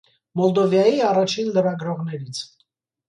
Մորդովիայի առաջին լրագրողներից։